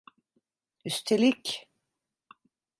Üstelik…